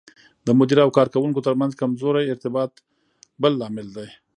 د مدیر او کارکوونکو ترمنځ کمزوری ارتباط بل لامل دی.